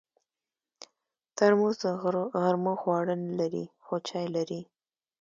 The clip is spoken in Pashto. ترموز د غرمو خواړه نه لري، خو چای لري.